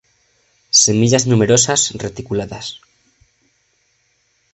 Semillas numerosas, reticuladas.